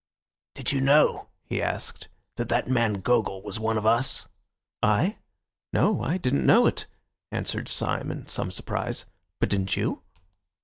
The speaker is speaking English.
"Did you know," he asked, "that that man Gogol was one of us?" "I? No, I didn't know it," answered Syme in some surprise. "But didn't you?"